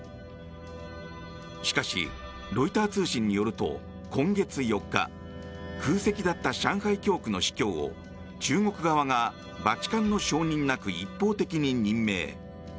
しかし、ロイター通信によると今月４日空席だった上海教区の司教を中国側がバチカンの承認なく一方的に任命。